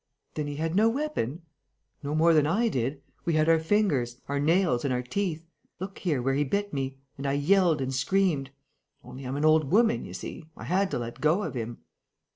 "Then he had no weapon?' "No more than I did. We had our fingers, our nails and our teeth. Look here, where he bit me. And I yelled and screamed! Only, I'm an old woman you see.... I had to let go of him...."